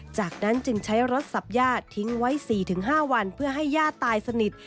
จากนั้นจึงใช้รถสับย่าทิ้งไว้๔๕วันเพื่อให้ญาติตายสนิท